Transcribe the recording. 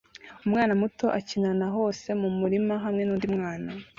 Umwana muto akina na hose mumurima hamwe nundi mwana